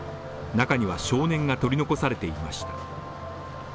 中には、少年が取り残されていました。